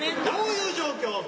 どういう状況？